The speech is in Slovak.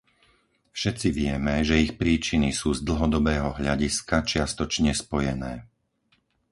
Všetci vieme, že ich príčiny sú z dlhodobého hľadiska čiastočne spojené.